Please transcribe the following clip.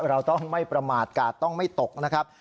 เราต้องไม่ประมาทกาดต้องไม่ตกนะครับ